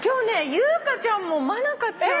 優香ちゃんも真香ちゃんも。